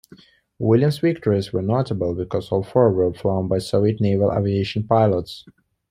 Williams' victories were notable because all four were flown by Soviet Naval Aviation pilots.